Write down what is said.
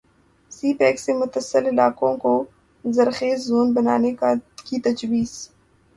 سی پیک سے متصل علاقوں کو ذرخیز زون بنانے کی تجویز